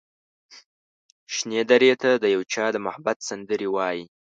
شنې درې ته د یو چا د محبت سندرې وايي